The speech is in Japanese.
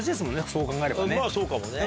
そうかもね。